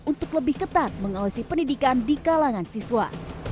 untuk lebih ketat mengawasi pendidikan di kalangan siswa